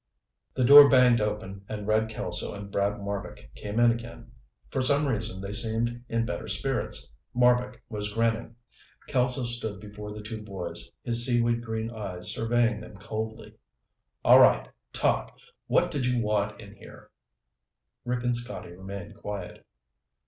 The door banged open and Red Kelso and Brad Marbek came in again. For some reason they seemed in better spirits. Marbek was grinning. Kelso stood before the two boys, his seaweed green eyes surveying them coldly. "All right. Talk. What did you want in here?" Rick and Scotty remained quiet.